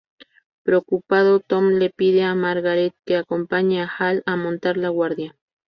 Preocupado, Tom le pide a Margaret que acompañe a Hal a montar la guardia.